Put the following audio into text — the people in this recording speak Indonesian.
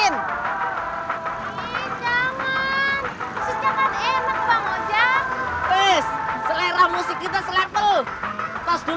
kumpulan dangdut koplo